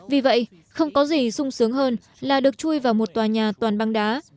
vì vậy không có gì sung sướng hơn là được chui vào một tòa nhà toàn băng đá